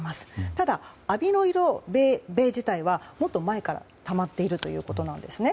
ただ、アミロイドβ自体はもっと前からたまっているということなんですね。